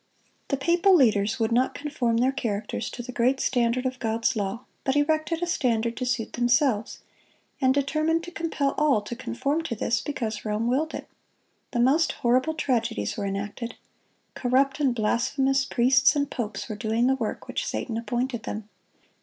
The papal leaders would not conform their characters to the great standard of God's law, but erected a standard to suit themselves, and determined to compel all to conform to this because Rome willed it. The most horrible tragedies were enacted. Corrupt and blasphemous priests and popes were doing the work which Satan appointed them.